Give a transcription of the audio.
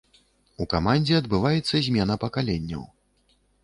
У камандзе адбываецца змена пакаленняў.